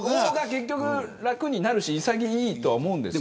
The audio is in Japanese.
結局、楽になるし潔いと思います。